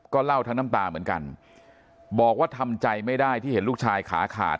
เล่าทั้งน้ำตาเหมือนกันบอกว่าทำใจไม่ได้ที่เห็นลูกชายขาขาด